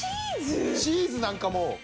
チーズなんかも。